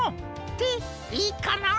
ていいかな。